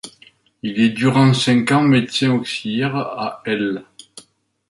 Il est durant cinq ans médecin auxiliaire à l'.